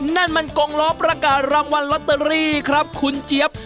นั่นมันกงล้อประกาศรางวัลลอตเตอรี่ครับคุณเจี๊ยบ